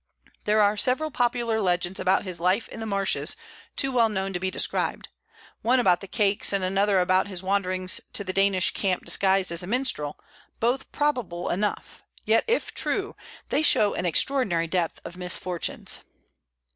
There are several popular legends about his life in the marshes, too well known to be described, one about the cakes and another about his wanderings to the Danish camp disguised as a minstrel, both probable enough; yet, if true, they show an extraordinary depth of misfortunes.